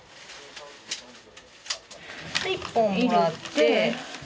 １本もらって。